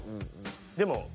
でも。